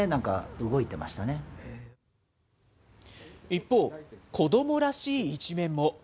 一方、子どもらしい一面も。